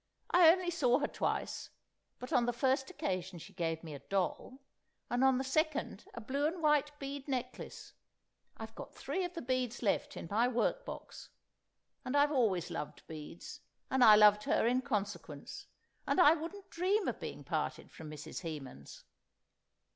"I only saw her twice, but on the first occasion she gave me a doll, and on the second a blue and white bead necklace; I've got three of the beads left, in my workbox. And I've always loved beads, and I loved her in consequence, and I wouldn't dream of being parted from Mrs. Hemans.